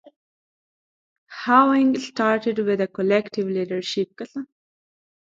Having started with a collective leadership, the party eventually coalesced around Basdeo Panday.